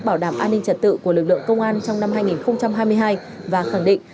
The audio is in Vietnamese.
bảo đảm an ninh trật tự của lực lượng công an trong năm hai nghìn hai mươi hai và khẳng định